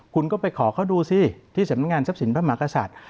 คุณก็ไปขอเขาดูสิที่สำนักงานทรัพย์สินพระมหากษัตริย์